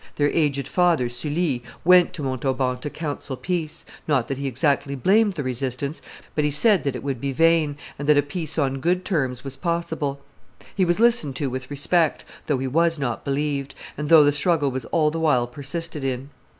Their aged father, Sully, went to Montauban to counsel peace; not that he exactly blamed the resistance, but he said that it would be vain, and that a peace on good terms was possible. He was listened to with respect, though he was not believed, and though the struggle was all the while persisted in.